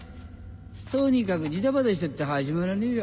とにかくジタバタしたって始まらねえや。